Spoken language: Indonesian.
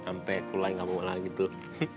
sampai kulai gak mau lagi tuh